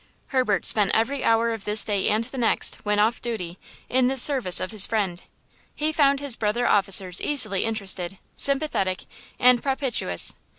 Herbert spent every hour of this day and the next, when off duty, in this service of his friend. He found his brother officers easily interested, sympathetic and propitious.